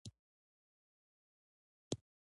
او نه هم د فعال اوسېدو چلند دی.